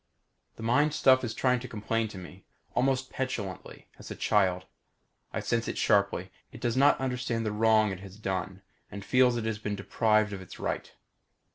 The mind stuff is trying to complain to me. Almost petulantly; as a child. I sense it sharply. It does not understand the wrong it has done and feels it has been deprived of its right.